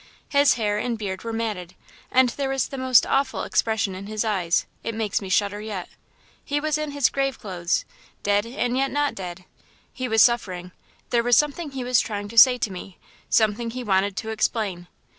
His hair and beard were matted and there was the most awful expression in his eyes it makes me shudder yet. He was in his grave clothes, dead and yet not dead. He was suffering there was something he was trying to say to me; something he wanted to explain.